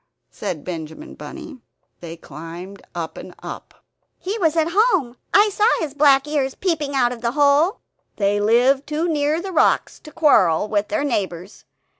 said Benjamin Bunny. They climbed up and up; "He was at home; I saw his black ears peeping out of the hole." "They live too near the rocks to quarrel with their neighbors.